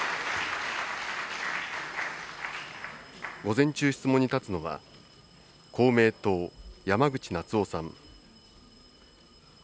午前中、質問に立つのは、公明党、山口那津男さん。